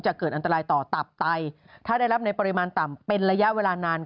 เกิดอันตรายต่อตับไตถ้าได้รับในปริมาณต่ำเป็นระยะเวลานาน